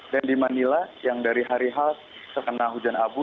dan di manila yang dari hari h terkena hujan abu